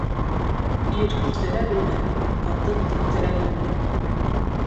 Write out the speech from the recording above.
Ир килтерә белһен, ҡатын еткерә белһен.